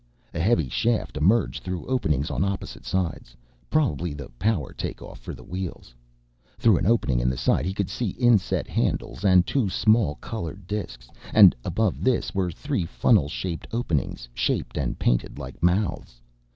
A heavy shaft emerged through openings on opposite sides, probably the power takeoff for the wheels. Through an opening in the side he could see inset handles and two small colored disks, and above this were three funnel shaped openings shaped and painted like mouths.